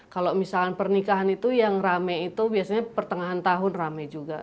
kalau misalnya pernikahan itu yang rame itu biasanya pertengahan tahun rame juga